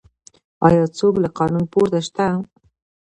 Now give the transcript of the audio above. آیا څوک له قانون پورته شته؟